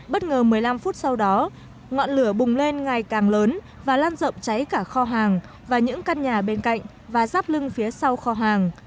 bất ngờ một mươi năm phút sau đó ngọn lửa bùng lên ngày càng lớn và lan rộng cháy cả kho hàng và những căn nhà bên cạnh và rắp lưng phía sau kho hàng